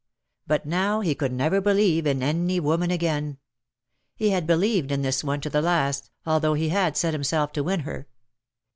But now he could never believe in any woman again. He had believed in this one to the last, although he had set himself to win her.